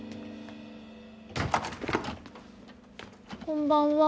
こんばんは。